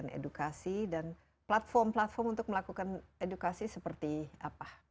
edukasi dan platform platform untuk melakukan edukasi seperti apa